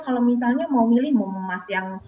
kalau misalnya mau memilih emas yang